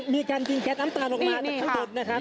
มีการยิงแก๊สน้ำตาลออกมาจากข้างบนนะครับ